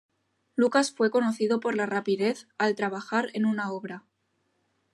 Lucas fue conocido por la rapidez al trabajar en una obra.